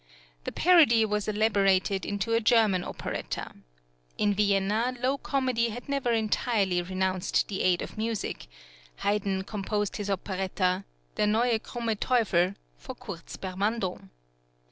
The parody was elaborated into a German operetta. In Vienna, low comedy had never entirely renounced the aid of music; Haydn composed his operetta "Der neue Krumme Teufel" for Kurz Bemardon.